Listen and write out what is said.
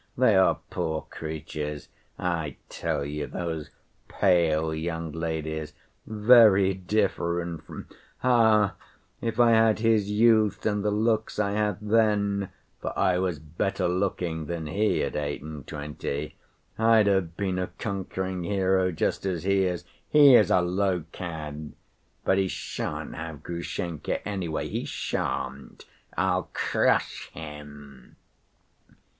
They are poor creatures I tell you, those pale young ladies, very different from—Ah, if I had his youth and the looks I had then (for I was better‐looking than he at eight and twenty) I'd have been a conquering hero just as he is. He is a low cad! But he shan't have Grushenka, anyway, he shan't! I'll crush him!"